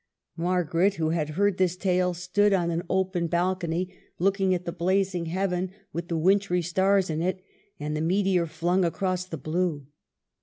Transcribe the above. Margaret, who had heard this tale, stood on an open balcony, looking at the blazing heaven with the wintry stars in it, and the meteor flung across the blue.